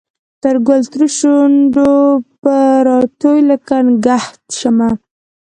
د ګل ترشو نډو به راتوی لکه نګهت شمه